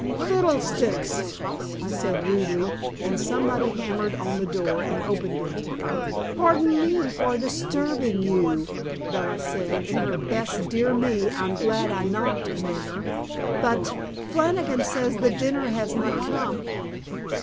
"Fiddlesticks!" I said rudely, and somebody hammered on the door and opened it. "Pardon me for disturbing you," Bella said, in her best dear me I'm glad I knocked manner. "But Flannigan says the dinner has not come."